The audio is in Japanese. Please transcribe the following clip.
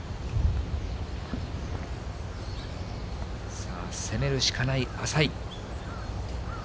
さあ、攻めるしかない淺井。